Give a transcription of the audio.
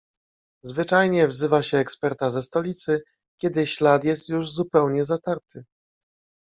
"Zwyczajnie wzywa się eksperta ze stolicy, kiedy ślad jest już zupełnie zatarty."